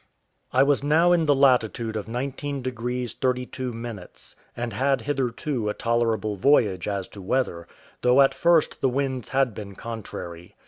I was now in the latitude of 19 degrees 32 minutes, and had hitherto a tolerable voyage as to weather, though at first the winds had been contrary.